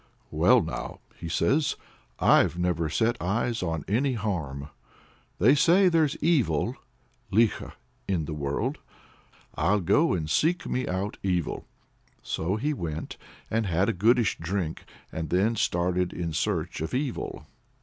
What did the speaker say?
"Well now," says he, "I've never set eyes on any harm. They say there's evil (likho) in the world. I'll go and seek me out evil." So he went and had a goodish drink, and then started in search of evil.